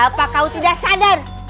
apa kau tidak sadar